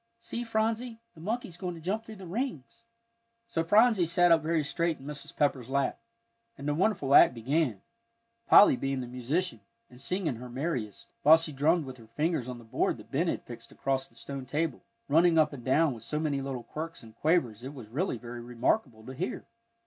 See, Phronsie, the monkey's going to jump through the rings." So Phronsie sat up very straight in Mrs. Pepper's lap, and the wonderful act began, Polly being the musician, and singing her merriest, while she drummed with her fingers on the board that Ben had fixed across the stone table, running up and down with so many little quirks and quavers it was really very remarkable to hear.